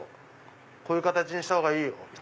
こういう形にしたほうがいいよ」。